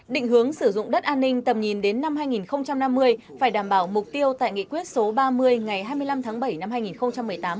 định hướng sử dụng đất an ninh tầm nhìn đến năm hai nghìn năm mươi phải đảm bảo mục tiêu tại nghị quyết số ba mươi ngày hai mươi năm tháng bảy năm hai nghìn một mươi tám